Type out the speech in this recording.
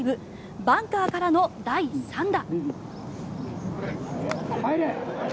バンカーからの第３打。